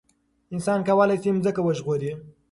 انسان کولای شي ځمکه وژغوري.